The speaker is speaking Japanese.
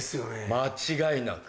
間違いなく。